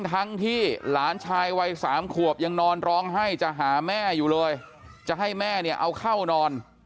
ทั้งที่หลานชายวัย๓ขวบยังนอนร้องไห้จะหาแม่อยู่เลยจะให้แม่เนี่ยเอาเข้านอน